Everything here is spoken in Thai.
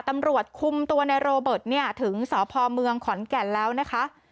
ตำรวจคุมตัวในโรเบิร์ตเนี่ยถึงสพเมืองขอนแก่นแล้วนะคะ